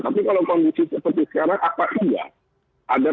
tapi kalau kondisi seperti sekarang apa saja